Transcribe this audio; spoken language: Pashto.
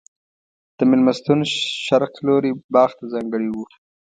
د مېلمستون شرق لوری باغ ته ځانګړی و.